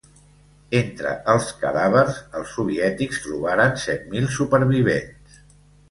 Entre els cadàvers els soviètics trobaren set mil supervivents.